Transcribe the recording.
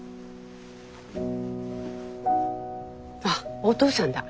あっおとうさんだ。